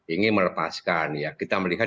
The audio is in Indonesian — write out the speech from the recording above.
ini melepaskan kita melihat